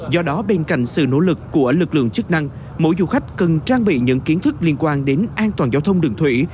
do đó bên cạnh sự nỗ lực của lực lượng chức năng mỗi du khách cần trang bị những kiến thức liên quan đến an toàn giao thông đường thủy